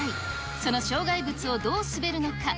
その障害物をどう滑るのか。